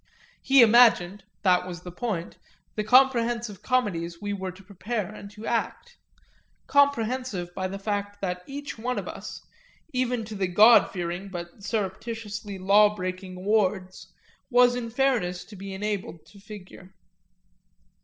He imagined that was the point the comprehensive comedies we were to prepare and to act; comprehensive by the fact that each one of us, even to the God fearing but surreptitiously law breaking Wards, was in fairness to be enabled to figure.